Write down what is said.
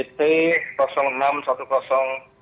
dan juga jt